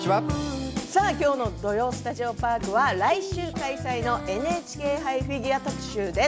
きょうの「土曜スタジオパーク」は来週開催の「ＮＨＫ杯フィギュア」特集です。